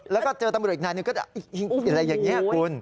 แล้วก็เจอตำรวจอีกนายหนึ่งก็อย่างนี้คุณ